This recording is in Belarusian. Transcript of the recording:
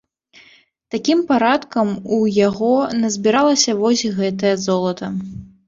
Такім парадкам у яго назбіралася вось гэтае золата.